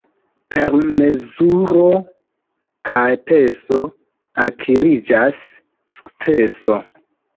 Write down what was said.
Per mezuro kaj peso akiriĝas sukceso.